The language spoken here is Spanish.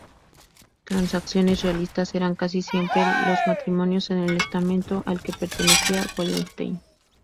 Transacciones realistas eran casi siempre los matrimonios en el estamento al que pertenecía Wallenstein.